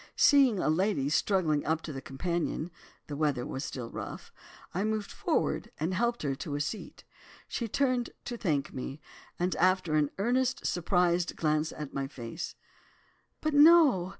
Seeing a lady struggling up the companion (the weather was still rough), I moved forward and helped her to a seat. She turned to thank me, and after an earnest surprised glance at my face—'But, no!